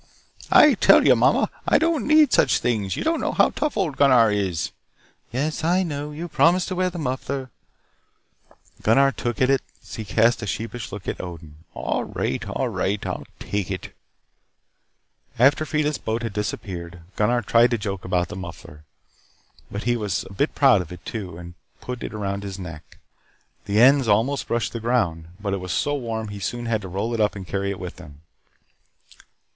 "I tell you, mama, I don't need such things. You don't know how tough old Gunnar is." "Yes, I know. You promise to wear the muffler " Gunnar took it as he cast a sheepish look at Odin. "All right. All right. I'll take it " After Freida's boat had disappeared, Gunnar tried to joke about the muffler. But he was a bit proud of it too, and put it around his neck. The ends almost brushed the ground, but it was so warm that he soon had to roll it up and carry it with him.